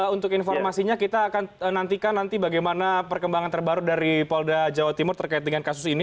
untuk informasinya kita akan nantikan nanti bagaimana perkembangan terbaru dari polda jawa timur terkait dengan kasus ini